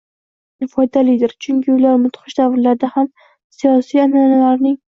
foydalidir, chunki ular mudhish davrlarda ham siyosiy an’analarning